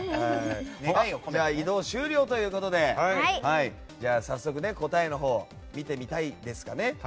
移動終了ということで早速、答えのほうを見てみたいですよね。